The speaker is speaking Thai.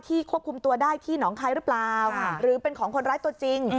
ควบคุมตัวได้ที่หนองคายหรือเปล่าหรือเป็นของคนร้ายตัวจริง